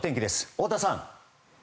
太田さん。